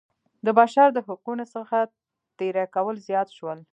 د بشر د حقونو څخه تېری کول زیات شول.